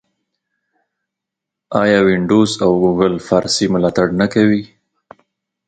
آیا وینډوز او ګوګل فارسي ملاتړ نه کوي؟